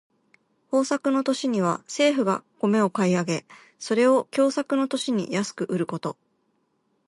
豊作の年には政府が米を買い上げ、それを凶作の年に安く売ること。